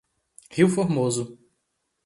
Rio Formoso